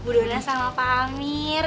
bu dona sama pak amir